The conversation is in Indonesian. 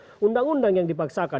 dari sebuah undang undang yang dipaksakan